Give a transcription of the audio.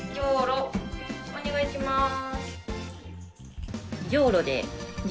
お願いします。